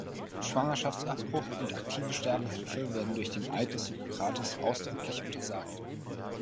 Schwangerschaftsabbruch und aktive Sterbehilfe werden durch den Eid des Hippokrates ausdrücklich untersagt.